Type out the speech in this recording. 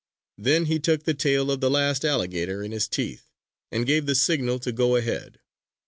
Then he took the tail of the last alligator in his teeth, and gave the signal to go ahead.